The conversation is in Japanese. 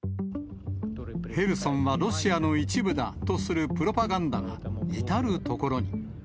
ヘルソンはロシアの一部だとするプロパガンダが至る所に。